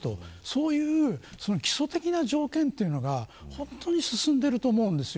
そういう基礎的な条件というのが本当に進んでいると思うんです。